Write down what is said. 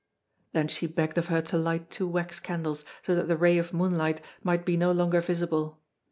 Then, she begged of her to light two wax candles, so that the ray of moonlight might be no longer visible.